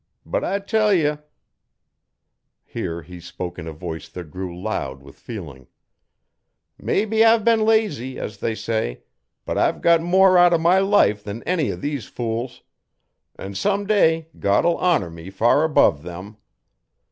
But I tell ye' here he spoke in a voice that grew loud with feeling 'mebbe I've been lazy, as they say, but I've got more out o' my life than any o' these fools. And someday God'll honour me far above them.